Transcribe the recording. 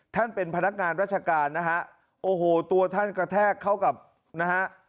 เป็นพนักงานราชการนะฮะโอ้โหตัวท่านกระแทกเข้ากับนะฮะ